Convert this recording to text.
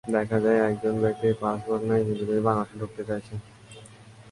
দেখা যায়, একজন ব্যক্তির পাসপোর্ট নেই, কিন্তু তিনি বাংলাদেশে ঢুকতে চাইছেন।